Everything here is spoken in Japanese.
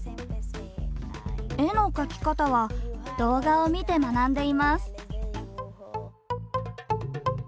絵の描き方は動画を見て学んでいます。